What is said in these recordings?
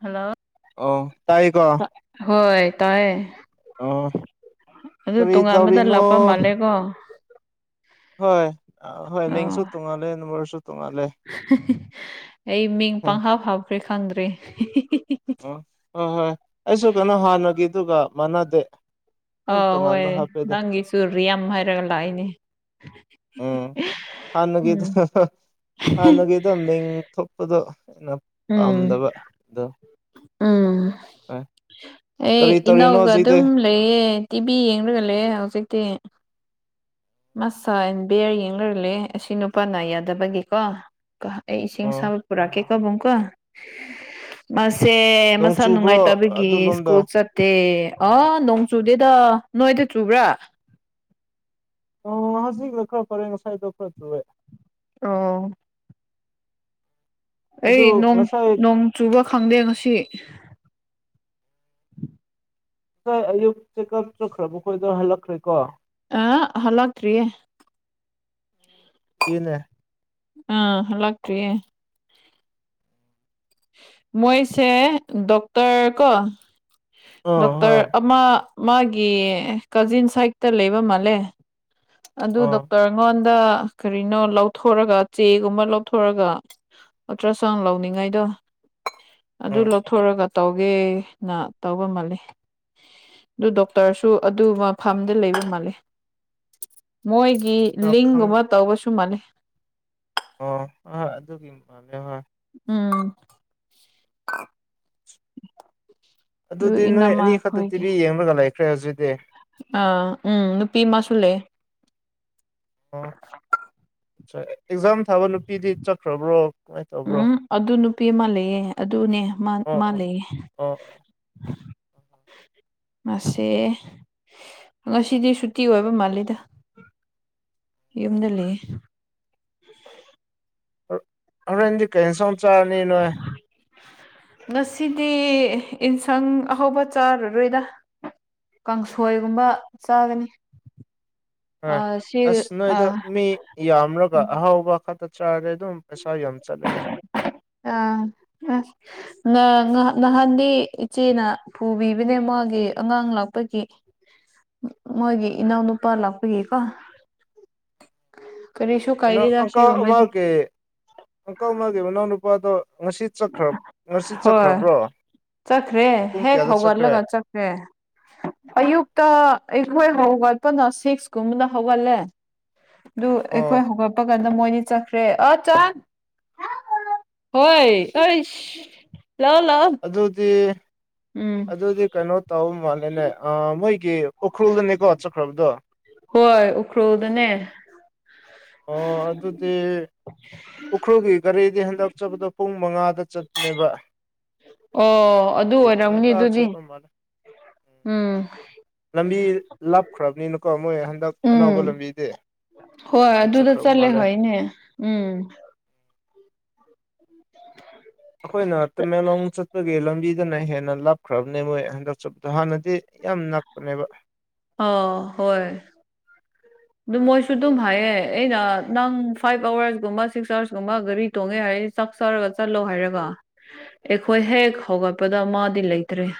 Hello. ꯑꯣ ꯇꯥꯏ ꯀꯣ ꯍꯣꯏ ꯇꯥꯏꯦ ꯑꯣ ꯑꯗꯨ ꯀꯔꯤ ꯇꯣꯉꯥꯟꯕꯗ ꯂꯥꯛꯄ ꯇꯧꯔꯤꯅꯣ ꯃꯥꯜꯂꯦꯀꯣ ꯍꯣꯏ ꯍꯣꯏ ꯑꯣ ꯃꯤꯡꯁꯨ ꯇꯣꯡꯉꯥꯜꯂꯦ ꯅꯝꯕꯔꯁꯨ ꯇꯣꯡꯉꯥꯜꯂꯦ꯫ ꯑꯩ ꯃꯤꯡ ꯎꯝ ꯄꯥꯡꯍꯥꯞ ꯍꯥꯞꯈ꯭ꯔꯦ ꯈꯪꯗ꯭ꯔꯦ ꯑꯣ ꯍꯣꯏ ꯍꯣꯏ ꯑꯩꯁꯨ ꯀꯩꯅꯣ ꯍꯥꯟꯅꯒꯤ ꯑꯗꯨꯒ ꯃꯥꯟꯅꯗꯦ ꯑꯗꯨꯝ ꯑꯥ ꯍꯣꯏ ꯇꯣꯉꯥꯟꯕ ꯍꯥꯞꯄꯦꯗ ꯅꯪꯒꯤ ꯆꯨꯔꯔꯤ ꯌꯥꯝ ꯍꯥꯏꯔꯒ ꯂꯥꯛꯏꯅꯦ ꯎꯝ ꯍꯅꯒꯤ ꯎꯝ ꯍꯅꯒꯤ ꯇꯦꯡ ꯊꯣꯛꯄꯗꯣ ꯎꯝ ꯄꯥꯝꯗꯕ ꯑꯗꯣ ꯎꯝ ꯍꯣꯏ ꯑꯩ ꯀꯔꯤ ꯇꯧꯔꯤꯅꯣ ꯏꯅꯥꯎꯒ ꯍꯧꯖꯤꯛꯇꯤ ꯑꯗꯨꯝ ꯂꯩꯌꯦ ꯇꯤꯚꯤ ꯌꯦꯡꯂꯒ ꯂꯩꯌꯦ ꯍꯧꯖꯤꯛꯇꯤ ꯃꯁ ꯑꯦꯟ ꯕꯤꯌꯔ ꯌꯦꯡꯅꯨꯔꯂꯦ ꯑꯁꯤ ꯅꯨꯄꯥ ꯅꯥꯏ ꯌꯥꯗꯕꯒꯤꯀꯣ ꯀ ꯑꯩ ꯏꯁꯤꯡ ꯑꯣ ꯁꯕ ꯄꯨꯔꯥ ꯍꯣꯏ ꯀꯦꯀꯕꯨꯨꯡ ꯀꯣ ꯃꯁꯦ ꯅꯣꯡ ꯃꯁꯥ ꯆꯨꯕ꯭ꯔꯣ ꯅꯨꯡꯉꯥꯏꯇꯕꯒꯤ ꯑꯗꯨ ꯂꯣꯝꯗ ꯁ꯭ꯀꯨꯜ ꯆꯠ ꯑꯦ ꯑ ꯅꯣꯡ ꯆꯨꯗꯦꯗ ꯅꯣꯏꯗ ꯆꯨꯕ꯭ꯔꯥ ꯍꯖꯤꯛꯅ ꯈꯔ ꯐꯔꯦ ꯉꯁꯥꯏꯗꯣ ꯈꯔ ꯇꯨꯔꯦ ꯑꯣ ꯑꯗꯨ ꯑꯩ ꯉꯁꯥꯏ ꯅꯣꯡ ꯆꯨꯕ ꯈꯪꯗꯦ ꯉꯁꯤ ꯁꯥꯏ ꯑꯌꯨꯛ ꯆꯦꯛꯑꯞ ꯆꯠꯈ꯭ꯔꯕ ꯈꯣꯏꯗ ꯍꯜꯂꯛꯈ꯭ꯔꯦꯀꯣ ꯑ ꯍꯜꯂꯈ꯭ꯔꯤ ꯏꯅꯦ ꯑꯥ ꯍꯜꯂꯥꯛꯇ꯭ꯔꯤꯌꯦ ꯃꯣꯏꯁꯦ ꯗꯣꯛꯇꯔ ꯀꯣ ꯑꯣ ꯗꯣꯛꯇꯔ ꯍꯣꯏ ꯑꯃ ꯃꯥꯒꯤ ꯀꯖꯤꯟ ꯁꯥꯏꯠꯇ ꯂꯩꯕ ꯃꯥꯜꯂꯦ ꯑꯗꯨ ꯑꯣ ꯗꯣꯛꯇꯔ ꯑꯩꯉꯣꯟꯗ ꯀꯔꯤꯅꯣ ꯂꯧꯊꯣꯔꯒ ꯆꯦꯒꯨꯝꯕ ꯂꯧꯊꯣꯔꯒ ꯑꯜꯇ꯭ꯔꯥ ꯁꯥꯎꯟ ꯂꯧꯅꯤꯡꯉꯥꯏꯗꯣ ꯑꯗꯨ ꯎꯝ ꯂꯧꯊꯣꯔꯒ ꯇꯧꯒꯦꯅ ꯇꯧꯕ ꯃꯥꯜꯂꯤ ꯑꯗꯨ ꯗꯣꯛꯇꯔꯁꯨ ꯑꯗꯨ ꯃꯐꯝꯥꯝꯗ ꯂꯩꯕ ꯃꯥꯜꯂꯤ ꯃꯣꯏꯒꯤ ꯈꯪ ꯂꯤꯡꯒꯨꯝꯕ ꯇꯧꯕꯁꯨ ꯃꯥꯥꯟꯜꯂꯤꯩ ꯑꯣ ꯑ ꯍꯣꯏ ꯑꯗꯨꯒꯤ [unintelligible] ꯍꯣꯏ ꯎꯝ ꯑꯗꯨ ꯑꯗꯨꯗꯤ ꯅꯣꯏ ꯏꯅꯝꯃ ꯑꯅꯤꯈꯛꯇ ꯇꯤꯚꯤ ꯌꯦꯡꯕꯒ ꯂꯩꯈ꯭ꯔꯦ ꯍꯧꯖꯤꯛꯗꯤ ꯑ ꯎꯝ ꯅꯨꯄꯤ ꯑꯃꯁꯨ ꯂꯩ ꯑꯣ ꯑꯦꯛꯖꯥꯝ ꯊꯥꯕ ꯂꯄꯤꯗꯤ ꯆꯠꯈ꯭ꯔꯕ꯭ꯔꯣ ꯀꯃꯥꯏꯅ ꯇꯧꯕ꯭ꯔꯣ ꯎꯝ ꯑꯗꯨ ꯅꯨꯄꯤ ꯑꯃ ꯂꯩꯌꯦ ꯑꯗꯨꯅꯦ ꯃꯥ ꯃꯥ ꯂꯩꯌꯦ ꯎꯝ ꯍꯝ ꯃꯁꯦ ꯉꯁꯤꯗꯤ ꯁꯨꯇꯤ ꯑꯣꯏꯕ ꯃꯥꯜꯂꯤꯗ ꯌꯨꯝꯗ ꯂꯩ ꯍꯣꯔꯦꯟꯗꯤ ꯀꯔꯤ ꯏꯟꯁꯥꯡ ꯆꯥꯔꯅꯤ ꯅꯣꯏ ꯉꯁꯤꯗꯤ ꯌꯦꯟꯁꯥꯡ ꯑꯍꯥꯎꯧꯕ ꯆꯥꯔꯔꯣꯏꯗ ꯀꯥꯡꯁꯣꯏꯒꯨꯝꯕ ꯆꯥꯒꯅꯤ ꯑ ꯑꯥ ꯁꯤ ꯑꯁ ꯅꯣꯏꯗꯣ ꯑꯥ ꯃꯤ ꯌꯥꯝꯂꯒ ꯑꯍꯥꯎꯕ ꯈꯛꯇ ꯆꯥꯔꯦ ꯑꯗꯨꯝ ꯄꯩꯁꯥ ꯌꯥꯝ ꯆꯠꯂꯅꯤ ꯑꯥ ꯑ ꯅꯍꯥꯟꯗꯤ ꯏꯆꯦꯅ ꯄꯨꯕꯤꯕꯅꯦ ꯃꯥꯒꯤ ꯑꯉꯥꯡ ꯂꯥꯛꯄꯒꯤ ꯃꯣꯏꯒꯤ ꯏꯅꯥꯎꯅꯨꯄꯥ ꯂꯥꯛꯄꯒꯤꯀꯣ ꯀꯔꯤꯁꯨ ꯀꯩꯅꯣ ꯀꯥꯏꯗꯦꯗ ꯑꯪꯀꯥ ꯁꯤꯒꯨꯝꯕꯗꯤ ꯑꯃꯒꯤ ꯑꯪꯀ ꯑꯃꯒꯤ ꯃꯅꯥꯎꯅꯨꯄꯥꯗꯣ ꯉꯁꯤ ꯆꯠꯈ꯭ꯔ ꯉꯁꯤ ꯍꯣꯏ ꯆꯠꯈ꯭ꯔꯕ꯭ꯔꯣ ꯆꯠꯈ꯭ꯔꯦ ꯄꯨꯡ ꯍꯦꯛ ꯀꯌꯥꯗ ꯆꯠꯈ꯭ꯔꯦ ꯍꯧꯒꯠꯂꯒ ꯆꯠꯈ꯭ꯔꯦ ꯑꯌꯨꯛꯇ ꯑꯩꯈꯣꯏ ꯍꯧꯒꯠꯄꯅ ꯁꯤꯛꯁꯀꯨꯝꯕꯅ ꯍꯧꯒꯠꯂꯦ ꯑꯣ ꯑꯦꯣꯏꯦ ꯍꯒ ꯄ ꯀꯥꯟꯗ ꯃꯣꯏꯅꯤ ꯆꯠꯈ꯭ꯔꯦ ꯑ ꯆ ꯍꯣꯏ ꯂꯑꯣ ꯂꯑꯣ ꯑꯗꯨꯗꯤ ꯑꯗꯨꯗꯤ ꯀꯩꯅꯣ ꯇꯧꯕ ꯃꯥꯜꯂꯦꯅꯦ ꯃꯣꯏꯒꯤ ꯎꯈ꯭ꯔꯨꯜꯗꯅꯦꯀꯣ ꯆꯠꯈ꯭ꯔꯕꯗꯣ ꯍꯣꯏ ꯎꯈ꯭ꯔꯨꯜꯗꯅꯦ ꯑꯣ ꯑꯗꯨꯗꯤ ꯎꯈ꯭ꯔꯨꯜꯒꯤ ꯒꯥꯔꯤꯗꯤ ꯍꯟꯗꯛꯆꯕꯗꯣ ꯄꯨꯡ ꯃꯉꯥꯗ ꯆꯠꯄꯅꯦꯕ ꯑꯣ ꯑꯗꯨ ꯑꯦ ꯑꯣꯏꯔꯝꯒꯅꯤ ꯉꯟꯇꯥ ꯑꯗꯨꯗꯤ ꯆꯠꯄ ꯃꯥꯜꯂꯦ ꯎꯝ ꯂꯝꯕꯤ ꯂꯥꯞꯈ꯭ꯔꯕꯅꯤꯅꯀꯣ ꯃꯣꯏ ꯍꯟꯗꯛ ꯑꯅꯧꯕ ꯎꯝ ꯂꯝꯕꯤꯗꯤ ꯍꯣꯏ ꯑꯗꯨ ꯑꯗꯨꯗ ꯆꯠꯈ꯭ꯔꯕ ꯆꯠꯂꯦ ꯃꯥꯜꯂꯦ ꯍꯣꯏꯅꯦ ꯎꯝ ꯑꯩꯈꯣꯏꯅ ꯇꯃꯦꯡꯂꯣꯡ ꯆꯠꯄꯒꯤ ꯂꯝꯕꯤ ꯁꯤꯅ ꯍꯦꯟꯅ ꯂꯥꯞꯈ꯭ꯔꯕꯅꯦ ꯃꯣꯏ ꯍꯟꯗꯛ ꯆꯠꯄꯗꯣ ꯍꯥꯟꯅꯗꯤ ꯌꯥꯝ ꯅꯛꯄꯅꯦꯕ ꯑꯣ ꯍꯣꯏ ꯑꯗꯨꯝ ꯃꯣꯏꯁꯨ ꯑꯗꯨꯝ ꯍꯥꯏꯌꯦ ꯑꯩꯅ ꯅꯪ ꯐꯥꯏꯚ ꯑꯋꯥꯔꯁꯀꯨꯝꯕ ꯁꯤꯛꯁ ꯑꯋꯥꯔꯁꯀꯨꯝꯕ ꯒꯥꯔꯤ ꯇꯣꯡꯉꯦ ꯍꯥꯏꯔꯦ ꯆꯥꯛꯆꯔꯒ ꯆꯠꯂꯣ ꯍꯥꯏꯔꯒ ꯑꯩꯈꯣꯏ ꯍꯦꯛ ꯍꯧꯒꯠꯄꯗ ꯃꯥꯗꯤ ꯂꯩꯇ꯭ꯔꯦ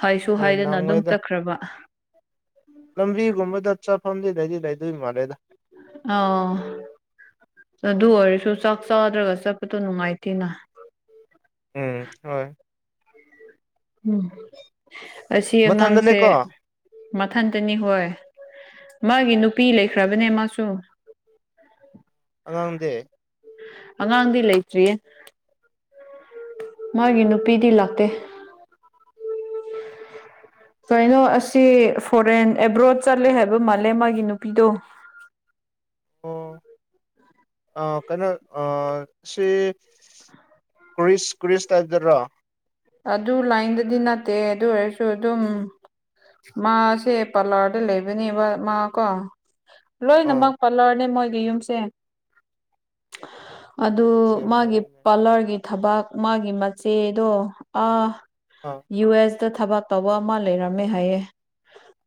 ꯍꯥꯏꯁꯨ ꯍꯣꯏ ꯍꯥꯏꯗꯅ ꯑꯗꯨꯝ ꯅꯪꯉꯣꯏꯗ ꯆꯠꯈ꯭ꯔꯕ ꯂꯝꯕꯤꯒꯨꯝꯕꯗ ꯆꯥꯐꯝꯗꯤ ꯂꯩꯗꯤ ꯂꯩꯗꯣꯏ ꯃꯥꯜꯂꯦꯗ ꯑꯥ ꯑꯗꯨ ꯑꯣꯏꯔꯁꯨ ꯆꯥꯛ ꯆꯥꯗ꯭ꯔꯒ ꯆꯠꯄꯗꯣ ꯅꯨꯡꯉꯥꯏꯇꯦꯅ ꯎꯝ ꯍꯣꯏ ꯎꯝ ꯑꯁꯤ ꯑꯉꯥꯡꯁꯦ ꯃꯊꯟꯗꯅꯦꯀꯣ ꯃꯊꯟꯇꯅꯤ ꯍꯣꯏ ꯃꯥꯒꯤ ꯅꯨꯄꯤ ꯂꯩꯈ꯭ꯔꯕꯅꯦ ꯃꯥꯁꯨ ꯑꯉꯥꯡꯗꯦ ꯑꯉꯥꯡꯗꯤ ꯂꯩꯇ꯭ꯔꯤꯌꯦ ꯃꯥꯒꯤ ꯅꯨꯄꯤꯗꯤ ꯂꯥꯛꯇꯦ ꯀꯩꯅꯣ ꯑꯁꯤ ꯐꯣꯔꯦꯟ ꯑꯦꯕ꯭ꯔꯣꯗ ꯆꯠꯂꯦ ꯍꯥꯏꯕ ꯃꯥꯜꯂꯦ ꯃꯥꯒꯤ ꯅꯨꯄꯤꯗꯣ ꯑꯣ ꯑꯥ ꯀꯩꯅꯣ ꯑꯥ ꯁꯤ ꯀ꯭ꯔꯤꯁ ꯀ꯭ꯔꯤꯁ ꯇꯥꯏꯞꯇꯔꯣ ꯑꯗꯨ ꯂꯥꯏꯟꯗꯗꯤ ꯅꯠꯇꯦ ꯑꯗꯨ ꯑꯣꯏꯔꯁꯨ ꯑꯗꯨꯝ ꯃꯥꯁꯦ ꯄꯜꯂꯔꯗ ꯂꯩꯕꯅꯦꯕ ꯃꯥ ꯀꯣ ꯑꯥ ꯂꯣꯏꯅꯃꯛ ꯄꯠꯂꯔꯅꯤ ꯃꯣꯏꯒꯤ ꯌꯨꯝꯁꯦ ꯑꯗꯨ ꯁꯦꯝ ꯃꯥꯒꯤ ꯍꯥꯏꯔꯦꯅꯦ ꯄꯥꯔꯂꯔꯒꯤ ꯊꯕꯛ ꯃꯥꯒꯤ ꯃꯆꯦꯗꯣ ꯑꯥ ꯑꯥ ꯌꯨ ꯑꯦꯁꯇ ꯊꯕꯛ ꯇꯧꯕ ꯑꯃ ꯂꯩꯔꯝꯃꯦ ꯍꯥꯏꯌꯦ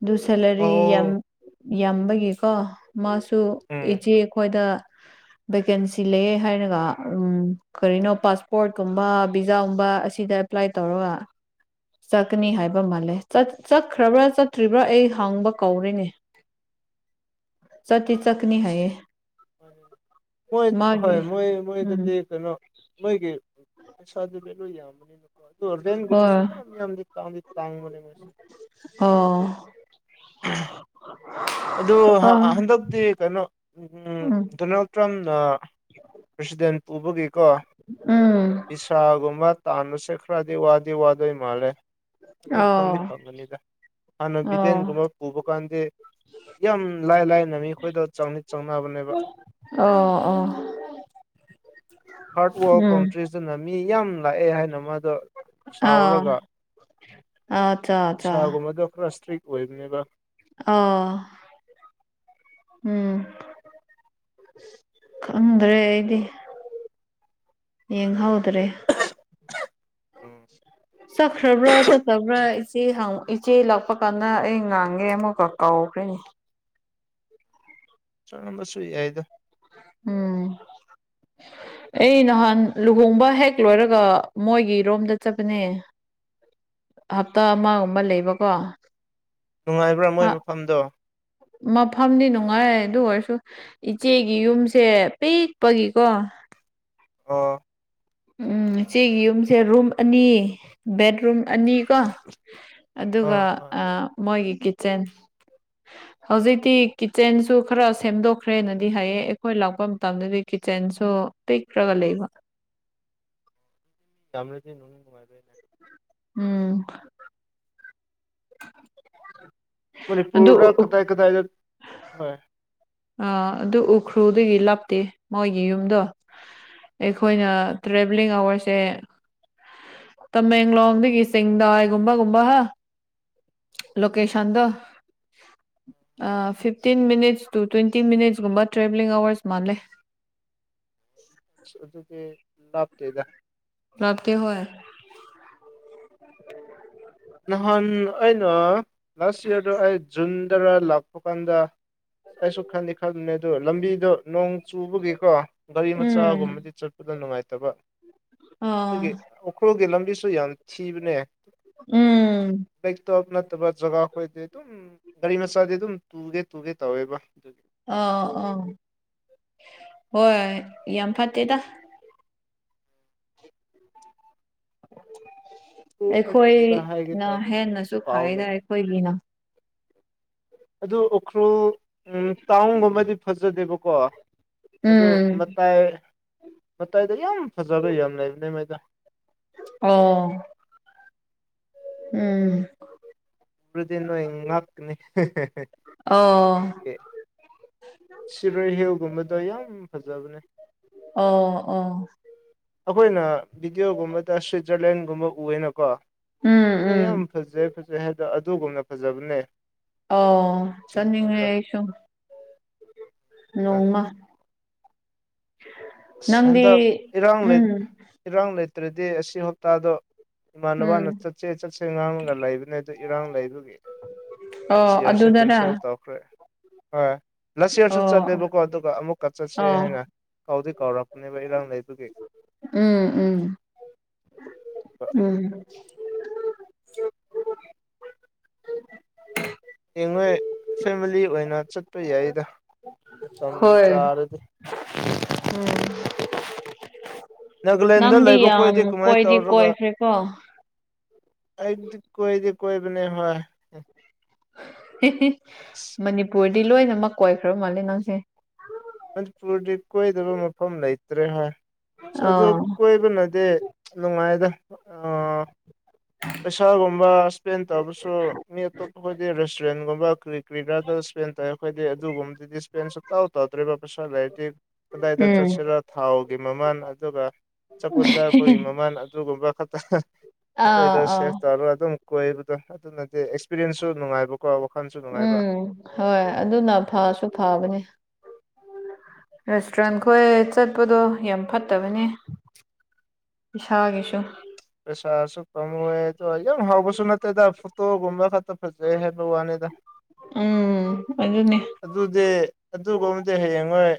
ꯑꯗꯨ ꯁꯦꯂꯔꯤ ꯌꯥꯝ ꯑꯣ ꯌꯥꯝꯕꯒꯤꯀꯣ ꯃꯥꯁꯨ ꯇꯨ ꯎꯝ ꯏꯆꯦ ꯑꯩꯈꯣꯏꯗ ꯚꯦꯀꯦꯟꯁꯤ ꯂꯩꯌꯦ ꯍꯥꯏꯔꯒ ꯎꯝ ꯀꯔꯤꯅꯣ ꯄꯥꯁꯄꯣꯔꯠ ꯀꯨꯝꯕ ꯚꯖꯥꯒꯨꯝꯕ ꯑꯁꯤꯗ ꯑꯦꯄ꯭ꯂꯥꯏ ꯇꯧꯔꯒ ꯆꯠꯀꯅꯤ ꯍꯥꯏꯕ ꯃꯥꯜꯂꯦ ꯆꯠꯈ꯭ꯔꯕ꯭ꯔꯥ ꯆꯠꯇ꯭ꯔꯤꯕ꯭ꯔꯥ ꯑꯩ ꯍꯥꯡꯕ ꯀꯧꯔꯤꯅꯦ ꯆꯠꯇꯤꯆꯠꯀꯥꯅꯤ ꯍꯥꯏꯌꯦ ꯃꯥꯅꯤ ꯃꯣꯏ ꯃꯥꯒꯤ ꯍꯣꯏ ꯃꯣꯏ ꯎꯝ ꯃꯣꯏꯗꯗꯤ ꯀꯩꯅꯣ ꯃꯣꯏꯒꯤ ꯄꯩꯁꯥ ꯑꯗꯨ ꯚꯦꯂꯨ ꯌꯥꯝꯕꯅꯤꯅꯀꯣ ꯑꯣ ꯔꯦꯟꯒꯨꯝꯕꯁꯨ ꯍꯣꯏ ꯌꯥꯝ ꯌꯥꯝꯗꯤ ꯇꯥꯡꯗꯤ ꯇꯥꯡꯕꯅꯦ ꯃꯣꯏꯁꯦ ꯑꯣ ꯑꯗꯨ ꯑꯥ ꯍꯟꯗꯛꯇꯤ ꯀꯩꯅꯣ ꯎꯝ ꯗꯣꯅꯥꯜ ꯇ꯭ꯔꯝꯅ ꯄ꯭ꯔꯁꯤꯗꯦꯟ ꯄꯨꯕꯒꯤꯀꯣ ꯎꯝ ꯚꯤꯁꯥꯒꯨꯝꯕ ꯇꯥꯟꯕꯁꯦ ꯈꯔꯗꯤ ꯋꯥꯗꯤ ꯋꯥꯗꯣꯏ ꯃꯥꯜꯂꯦ ꯑꯗꯨ ꯑꯣ ꯐꯪꯗꯤ ꯐꯪꯒꯅꯤꯗ ꯍꯥꯟꯅ ꯑꯣ ꯕꯤꯗꯦꯟꯒꯨꯝꯕ ꯄꯨꯕ ꯀꯥꯟꯗꯤ ꯌꯥꯝ ꯂꯥꯏ ꯂꯥꯏꯅ ꯃꯤ ꯑꯩꯈꯣꯏꯗ ꯆꯪꯅꯤ ꯆꯪꯅꯕꯅꯦꯕ ꯑꯣ ꯑꯣ ꯊꯥꯔꯠ ꯋꯥꯔꯜ ꯎꯝ ꯀꯟꯇ꯭ꯔꯤꯁꯤꯅ ꯃꯤ ꯌꯥꯝ ꯂꯥꯛꯑꯦ ꯍꯥꯏꯅ ꯃꯥꯗꯣ ꯁꯥꯎꯔꯒ ꯑꯆꯥ ꯚꯤꯁꯥꯒꯨꯝꯕꯗꯣ ꯈꯔ ꯏꯁꯇ꯭ꯔꯤꯛ ꯑꯣꯏꯕꯅꯦꯕ ꯑꯣ ꯎꯝ ꯈꯪꯗ꯭ꯔꯦ ꯑꯩꯗꯤ ꯌꯦꯡꯍꯧꯗ꯭ꯔꯦ ꯎꯝ ꯆꯠꯈ꯭ꯔꯕ꯭ꯔꯥ ꯆꯠꯇꯕ꯭ꯔꯥ ꯏꯆꯦ ꯍꯥꯡ ꯏꯆꯦ ꯂꯥꯛꯄ ꯀꯥꯟꯗ ꯑꯩ ꯉꯥꯡꯉꯦ ꯑꯃꯨꯛꯀ ꯀꯥꯎꯈ꯭ꯔꯦꯅꯦ ꯆꯝꯕꯁꯨꯨꯏ ꯌꯥꯏꯗ ꯎꯝ ꯑꯩ ꯅꯍꯥꯟ ꯂꯨꯍꯣꯡꯕ ꯍꯦꯛ ꯂꯣꯏꯔꯒ ꯃꯣꯏꯒꯤ ꯔꯣꯝꯗ ꯆꯠꯄꯅꯦ꯫ ꯍꯞꯇꯥ ꯑꯃꯒꯨꯝꯕ ꯂꯩꯕꯀꯣ ꯅꯨꯡꯉꯥꯏꯕ꯭ꯔ‌ꯣ ꯃꯣꯏ ꯃꯐꯝꯗꯣ ꯃꯐꯝꯗꯤ ꯅꯨꯡꯉꯥꯏ ꯑꯗꯨ ꯑꯣꯏꯔꯁꯨ ꯏꯆꯦꯒꯤ ꯌꯨꯝꯁꯦ ꯄꯤꯛꯄꯒꯤꯀꯣ ꯑꯣ꯫ ꯎꯝ ꯏꯆ‌ꯦꯒꯤ ꯌꯨꯝꯁꯦ ꯔꯨꯝ ꯑꯅꯤ ꯕꯦꯠꯔꯨꯝ ꯑꯅꯤꯀꯣ ꯑꯗꯨꯒ ꯑꯥ ꯍꯣꯏ ꯑꯥ ꯃꯣꯏꯒꯤ ꯀꯤꯠꯆꯟ ꯍꯧꯖꯤꯛꯇꯤ ꯀꯤꯠꯆꯦꯟꯁꯨ ꯈꯔ ꯁꯦꯝꯗꯣꯛꯈ꯭ꯔꯦꯅꯗꯤ ꯍꯥꯏꯌꯦ ꯑꯩꯈꯣꯏ ꯂꯥꯛꯄ ꯃꯇꯝꯗꯗꯤ ꯀꯤꯠꯆꯦꯟꯁꯨ ꯄꯤꯛꯔꯒ ꯂꯩꯕ [unintelligible] ꯎꯝ꯫ ꯑꯗꯨ ꯃꯅꯤꯄꯨꯔꯗ ꯀꯗꯥꯏ ꯀꯗꯥꯏꯗ ꯍꯣꯏ ꯑ ꯑꯗꯨ ꯎꯈ꯭ꯔꯨꯗꯒꯤ ꯂꯥꯞꯇꯦ ꯃꯣꯏꯒꯤ ꯌꯨꯝꯗꯣ ꯑꯩꯈꯣꯏꯅ ꯇ꯭ꯔꯦꯚꯦꯂꯤꯡ ꯑꯋꯥꯔꯁꯦ ꯇꯃꯦꯡꯂꯣꯡꯗꯒꯤ ꯆꯦꯡꯗꯥꯏ ꯒꯨꯝꯕ ꯒꯨꯝꯕ ꯍꯥ ꯂꯣꯀꯦꯁꯟꯗꯣ ꯑꯥ ꯐꯤꯞꯇꯤꯟ ꯃꯤꯅꯠꯁ ꯇꯨ ꯇ꯭ꯋꯦꯟꯇꯤ ꯃꯤꯅꯠꯁꯀꯨꯝꯕ ꯇ꯭ꯔꯦꯕꯦꯂꯤꯡ ꯑꯋꯔꯁ ꯃꯥꯜꯂꯦ ꯑꯁ ꯑꯗꯨꯗꯤ ꯂꯥꯞꯇꯦꯗ ꯂꯥꯞꯇ‌ꯦ ꯍꯣꯏ ꯅꯍꯥꯟ ꯑꯩꯅ ꯂꯥꯁ ꯏꯌꯥꯔꯗ ꯑꯩ ꯖꯨꯟꯗꯔ ꯂꯥꯛꯄ ꯀꯥꯟꯗ ꯑꯩꯁꯨ ꯈꯟꯗꯤ ꯈꯟꯕꯅꯦ ꯑꯗꯨ ꯂꯝꯕꯤꯗꯣ ꯅꯣꯡ ꯆꯨꯕꯒꯤꯀꯣ ꯒꯥꯔꯤ ꯎꯝ ꯃꯆꯥꯒꯨꯝꯕꯗꯤ ꯆꯠꯄꯗ ꯅꯨꯡꯉꯥꯏꯇꯕ ꯑꯥ ꯑꯗꯨꯒꯤ ꯎꯈ꯭ꯨꯔꯒꯤ ꯂꯝꯕꯤꯁꯨ ꯌꯥꯝ ꯊꯤꯕꯅꯦ꯫ ꯎꯝ ꯂꯔꯤꯛꯇꯣꯞ ꯅꯠꯇꯕ ꯖꯒꯥ ꯈꯣꯏꯗꯤ ꯑꯗꯨꯝ ꯒꯥꯔꯤ ꯃꯆꯥꯗꯤ ꯑꯗꯨꯝ ꯇꯨꯒꯦ ꯇꯨꯒꯦ ꯇꯧꯋꯦꯕ ꯑꯗꯨꯒꯤ ꯑꯥ ꯑꯥ ꯍꯣꯏ ꯌꯥꯝ ꯐꯠꯇꯦꯗ ꯑꯩ ꯀꯔꯤꯔꯥ ꯍꯥꯏꯒꯦ ꯑꯩꯈꯣꯏꯅ ꯇꯧꯔ ꯍꯦꯟꯅꯁꯨ ꯐꯩꯌ‌ꯦꯗ ꯀꯥꯎꯔꯦꯅꯦ ꯑꯩꯈꯣꯏꯒꯤꯅ ꯑꯗꯨ ꯎꯈ꯭ꯔꯨꯜ ꯇꯥꯎꯟꯒꯨꯝꯕꯗꯤ ꯐꯖꯗꯦꯕꯀꯣ ꯑꯗꯨ ꯎꯝ ꯃꯇꯥꯏ ꯃꯇꯥꯏꯗ ꯌꯥꯝ ꯐꯖꯕ ꯌꯥꯝ ꯂꯩꯕꯅꯦ ꯃꯣꯏꯗꯣ꯫ ꯑꯣ ꯎꯝ ꯑꯗꯨꯗꯤ ꯅꯣꯏ ꯉꯥꯛꯀꯅꯤ ꯑꯣ ꯅꯣꯏꯒꯤ ꯁꯤꯔꯣꯏ ꯍꯤꯜꯒꯨꯝꯕꯗꯣ ꯌꯥꯝ ꯐꯖꯕꯅꯦ ꯑꯣ ꯑꯣ ꯑꯩꯈꯣꯏꯅ ꯕꯤꯗꯤꯑꯣꯒꯨꯝꯕꯗ ꯁ꯭ꯋꯤꯖꯔꯂꯦꯟꯒꯨꯝꯕ ꯎꯌꯦꯅꯀꯣ ꯎꯝ ꯑꯗꯣ ꯌꯥꯝ ꯎꯝ ꯐꯖꯩ ꯐꯖꯩ ꯍꯥꯏꯗ‌ꯣ ꯑꯗꯨꯒꯨꯝꯅ ꯐꯖꯕꯅꯦ ꯑꯣ ꯆꯠꯅꯤꯡꯉꯦ ꯆꯤꯡꯈꯣꯏꯗꯣ ꯑꯩ ꯁꯨ꯫ ꯑꯁ ꯅꯣꯡꯃ ꯅꯪꯗꯤ ꯍꯟꯗꯛ ꯏꯔꯥꯡ ꯎꯝ ꯂꯩ ꯏꯔꯥꯡ ꯂꯩꯇ꯭ꯔꯗꯤ ꯑꯁꯤ ꯍꯞꯇꯥꯗꯣ ꯏꯃꯥꯟꯅꯕꯅ ꯎꯝ ꯆꯠꯁꯦ ꯆꯠꯁꯦ ꯉꯥꯡꯉꯒ ꯂꯩꯕꯅꯦ ꯗ‌ꯣ ꯏꯔꯥꯡ ꯂꯩꯕꯒꯤ ꯑꯣ ꯁꯤꯌꯔꯁꯦ ꯑꯗꯨꯅꯔꯥ ꯀꯦꯟꯁꯦꯜ ꯍꯣꯏ ꯉꯁꯤꯁꯨ ꯑꯣ ꯆꯠꯂꯦꯕꯀꯣ ꯑꯗꯨꯒ ꯑꯃꯨꯛꯀ ꯆꯠꯁꯦ ꯑꯣ ꯍꯥꯏꯅ ꯀꯧ ꯀꯧꯔꯛꯄꯅꯦꯕ ꯏꯔꯥꯡ ꯂꯩꯕꯒꯤ ꯎꯝ ꯎꯝ ꯎꯝ ꯍꯌꯦꯡ ꯅꯣꯏ ꯐꯦꯃꯂꯤ ꯑꯣꯏꯅ ꯆꯠꯄ ꯌꯥꯏꯗ꯫ ꯃꯇꯝ ꯍꯣꯏ ꯆꯥꯔꯗꯤ ꯎꯝ ꯅꯥꯒꯥꯂꯦꯟꯗ ꯅꯪꯗꯤ ꯂꯩꯕ ꯌꯥꯝ ꯈꯣꯏꯗꯤ ꯀꯃꯥꯏꯅ ꯀꯣꯏꯗꯤ ꯇꯧꯔꯒ ꯀꯣꯏꯈ꯭ꯔꯦꯀꯣ ꯑꯩꯗꯤ ꯀꯣꯏꯗꯤ ꯀꯣꯏꯕꯅ‌ꯦ ꯍꯣꯏ ꯃꯅꯤꯄꯨꯔꯗꯤ ꯂꯣꯏꯅꯃꯛ ꯀꯣꯏꯈ꯭ꯔꯕ ꯃꯥꯜꯂꯦ ꯅꯪꯁꯦ ꯃꯅꯤꯄꯨꯔꯗꯤ ꯀꯣꯏꯗꯕ ꯃꯐꯝ ꯂꯩꯇ꯭ꯔꯦ ꯍꯥꯏ ꯑꯗꯨ ꯑꯥ ꯀꯣꯏꯕꯅꯗꯤ ꯅꯨꯡꯉꯥꯏꯗ ꯎ ꯄꯩꯁꯥꯒꯨꯝꯕ ꯏꯁꯄꯦꯟ ꯇꯧꯕꯁꯨ ꯃꯤ ꯑꯇꯣꯞꯄ ꯈꯣꯏꯗꯤ ꯔꯦꯁꯇꯨꯔꯦꯟꯒꯨꯝꯕ ꯀ ꯀ꯭ꯔꯤꯗꯔꯗ ꯏꯁꯄꯦꯟ ꯇꯧꯋꯦ ꯑꯩꯈꯣꯏꯗꯤ ꯑꯗꯨꯒꯨꯝꯕꯗꯨꯗꯤ ꯏꯁꯄꯦꯟꯁꯨꯇꯥꯎ ꯇꯧꯗ꯭ꯔꯦꯕ ꯄꯩꯁꯥ ꯂꯩꯔꯗꯤ ꯀꯗꯥꯏꯗ ꯎꯝ ꯆꯠꯁꯤꯔꯣ ꯊꯥꯎꯒꯤ ꯃꯃꯜ ꯑꯗꯨꯒ ꯆꯄꯣꯠ ꯆꯥꯄꯒꯤ ꯃꯃꯜ ꯑꯗꯨꯒꯨꯝꯕ ꯈ ꯑꯥ ꯑꯩꯈꯣꯏꯗ ꯑꯥ ꯁꯦꯞ ꯇꯧꯔꯒ ꯑꯗꯨꯝ ꯀꯣꯏꯕꯗꯣ ꯑꯗꯨ ꯅꯠꯇꯦ ꯑꯦꯛꯁꯄꯤꯔꯦꯟꯁꯁꯨ ꯅꯨꯡꯉꯥꯏꯕ ꯋꯥꯥꯈꯟꯁꯨ ꯎꯝ ꯍꯣꯏ ꯑꯗꯨꯅ ꯐꯥꯁꯨ ꯐꯕꯅꯤ ꯔꯦꯁꯇꯨꯔꯦꯟ ꯈꯣꯏ ꯆꯠꯄꯗꯣ ꯌꯥꯝ ꯐꯠꯇꯕꯅꯦ꯫ ꯏꯁꯥꯒꯤꯁꯨ ꯄꯩꯁꯥꯁꯨ ꯄꯥꯝꯃꯨꯑꯦ ꯑꯗꯣ ꯌꯥꯝ ꯍꯥꯎꯕꯁꯨ ꯅꯠꯇꯦꯗ ꯐꯣꯇꯣꯒꯨꯝꯕ ꯈꯛꯇ ꯐꯖꯩ ꯍꯥꯏꯕ ꯋꯥꯅꯤꯗ꯫ ꯎꯝ ꯑꯗꯨꯅꯦ꯫ ꯑꯗꯨꯗꯤ ꯑꯗꯨꯒꯨꯝꯕꯗꯤ ꯍꯌꯦꯉꯣꯏ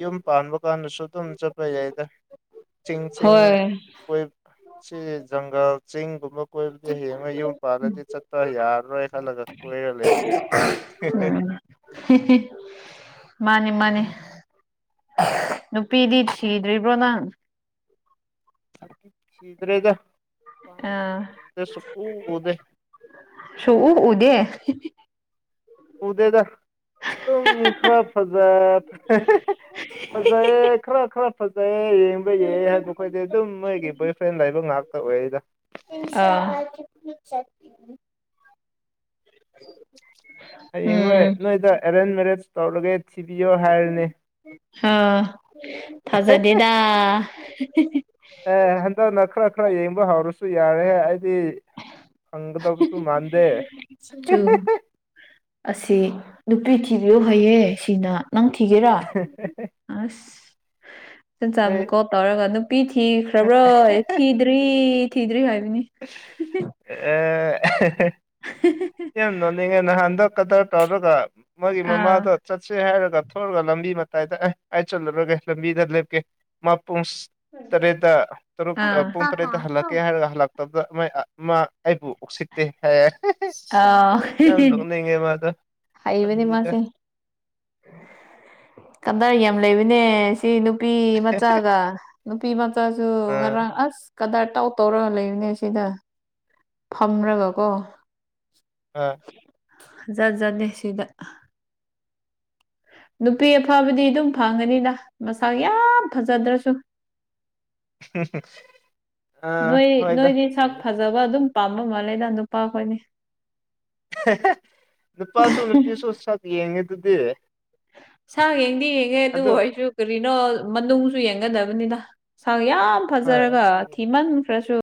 ꯌꯨꯝ ꯄꯥꯟꯕ ꯀꯥꯟꯗꯁꯨ ꯑꯗꯨꯝ ꯆꯠꯄ ꯌꯥꯏꯗ ꯆꯤꯡ ꯆꯤꯡ ꯍꯣꯏ [unintelligible] ꯁꯤ ꯖꯪꯒꯜ ꯆꯤꯡꯒꯨꯝꯕ ꯀꯣꯏꯕꯗꯤ ꯍꯌꯦꯡꯉ ꯌꯨꯝ ꯄꯥꯜꯂꯗꯤ ꯆꯠꯄ ꯌꯥꯔꯔꯣꯏ ꯈꯜꯂꯒ ꯀꯣꯏꯔ ꯂꯩꯕꯅꯤ ꯎ ꯎꯝ ꯃꯥꯅꯤ ꯃꯥꯅꯤ ꯅꯨꯄꯤꯗꯤ ꯊꯤꯗ꯭ꯔꯤꯕ꯭ꯔꯣ ꯅꯪ ꯁꯤꯤꯗꯔꯦꯗꯝꯕ ꯑꯥ ꯁꯗ ꯁꯀꯨꯗ ꯁꯨꯡꯎ ꯎꯗꯦ ꯎꯗꯦꯗ ꯑꯗꯨꯝ ꯈꯔ ꯐꯖ ꯐꯖꯩꯑꯌꯦ ꯈꯔ ꯈꯔ ꯐꯖꯩꯌꯦ ꯌꯦꯕ ꯌꯥ ꯍꯥꯏꯕ ꯈꯈꯣꯏꯗꯤ ꯑꯗꯨꯝ ꯃꯣꯏꯒꯤ ꯕꯣꯏ ꯐ꯭ꯔꯦꯟ ꯂꯩꯕ ꯉꯥꯛꯇ ꯑꯣꯏꯌꯦꯗ ꯎ ꯎ ꯍꯌꯦꯡ ꯅꯣꯏ ꯅꯣꯏꯗ ꯑꯦꯔꯦꯟꯖ ꯃꯦꯔꯦꯠ ꯇꯧꯔꯒꯦ ꯊꯤꯕꯤꯌꯣ ꯍꯥꯏꯔꯅꯤ꯫ ꯍꯑ ꯊꯖꯥꯗꯦꯗ ꯑꯦ ꯍꯟꯗꯛꯅ ꯈꯔ ꯈꯔ ꯌꯦꯡꯕ ꯍꯧꯔꯁꯨ ꯌꯥꯔꯦ ꯑꯩꯗꯤ ꯑꯪꯇ ꯁꯨ ꯃꯥꯗꯦ ꯆꯨ ꯑꯁꯤ ꯅꯨꯄꯤ ꯊꯤꯕꯤꯌꯣ ꯍꯥꯏꯌꯦꯦꯁꯤꯅ ꯅꯪ ꯊꯤꯒꯦꯔꯥ꯫ ꯍ [unintelligible] ꯑꯁ ꯆ ꯆꯃꯨꯀꯣ ꯇꯧꯔꯒ ꯅꯨꯄꯤ ꯊꯤꯈ꯭ꯔꯕ꯭ꯔꯥꯣ ꯑꯦ ꯊꯤꯗ꯭ꯔꯤ ꯊꯤꯗ꯭ꯔꯤ ꯍꯥꯏꯕꯅꯤ꯫ ꯑꯦ [unintelligible] ꯌꯥꯝ ꯅꯣꯟꯅꯤꯡꯉꯦ ꯅꯍꯥꯟꯗꯣ ꯀꯗ꯭ꯔ ꯇꯧꯔꯒ ꯃꯥꯣꯏꯒꯤ ꯑꯥ ꯃꯃꯥꯗꯣ ꯆꯠꯁꯦ ꯍꯥꯏꯔꯒ ꯊꯂꯒ ꯂꯝꯕꯤ ꯃꯇꯥꯏꯗ ꯑꯦ ꯑꯩ ꯆꯠꯂꯨꯔꯒꯦ ꯂꯝꯕꯤꯗ ꯂꯦꯞꯀꯦꯄꯨꯡꯁ ꯇꯔꯦꯠꯇ ꯇꯔꯨꯛ ꯄꯨꯡ ꯑꯥ ꯇꯔꯦꯠꯇ ꯍꯜꯂꯛꯀꯦ ꯍꯥꯏꯔꯒ ꯍꯜꯂꯛꯄ ꯇ ꯃꯥ ꯑꯩꯕꯨ ꯑꯣꯁꯤꯠꯇꯦ ꯍꯥꯏꯌꯦ ꯑ ꯌꯥꯝ ꯅꯣꯛꯅꯤꯡꯉꯦ ꯃꯥꯗꯣ ꯍꯥꯏꯩꯕꯅꯤ ꯂꯝꯕꯤꯗ ꯃꯥꯁꯦ ꯀꯗꯥꯏ ꯌꯥꯝ ꯂꯩꯕꯅꯦ ꯁꯤ ꯅꯨꯄꯤ ꯃꯆꯥꯒ ꯅꯨꯄꯤ ꯃꯆꯥꯁꯨ ꯑꯥ ꯉꯔꯥꯡ ꯑꯁ ꯀꯗꯥꯏ ꯇꯥꯎ ꯇꯧꯔꯒ ꯂꯩꯔꯤꯅꯦ ꯁꯤꯗ ꯐꯝ꯭ꯔꯒꯀꯣ ꯑꯥ ꯖꯠꯖꯗꯦ ꯁꯤꯗ ꯅꯨꯄꯤ ꯑꯐꯕꯗꯤ ꯑꯗꯨꯝ ꯐꯪꯒꯅꯤꯗ ꯃꯁꯛ ꯌꯥꯝ ꯐꯖꯗ꯭ꯔꯁꯨ꯫ ꯑꯥ ꯅꯣꯏꯣꯏ ꯍꯣꯏꯗ ꯅꯣꯏꯣꯏꯗꯤ ꯁ ꯐꯪꯗꯤ ꯐꯖꯕ ꯐꯪꯒꯅꯤꯗ ꯑꯗꯨꯝ ꯄꯥꯝꯕ ꯃꯥꯜꯂꯦꯗ ꯅꯨꯄꯥꯈꯣꯏꯅꯤ꯫ ꯅꯨꯄꯥ ꯁꯣ ꯅꯨꯄꯤꯤ ꯁꯣ ꯁꯥꯠ ꯌꯦꯡꯉꯗꯨꯗꯤ ꯁꯥꯡ ꯌꯦꯡꯗꯤ ꯌꯦꯡꯉꯦ ꯑꯗꯨ ꯑꯣꯏꯁꯨ ꯀꯔꯤꯅꯣ ꯃꯅꯨꯡꯁꯨ ꯌꯦꯡꯒꯗꯕꯅꯤꯅ ꯁꯥ ꯌꯥꯝ ꯍꯣꯏ ꯐꯖꯔꯒ ꯑꯗꯨ ꯌꯦꯡ ꯊꯤꯃꯟꯈ꯭ꯔꯁꯨ